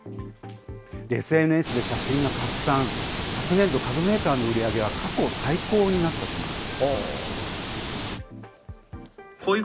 ＳＮＳで写真が拡散、昨年度、家具メーカーの売り上げは、過去最高になったといいます。